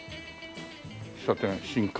喫茶店「深海」。